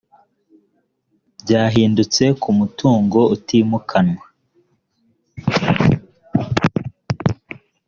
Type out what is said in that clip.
byahindutse ku mutungo utimukanwa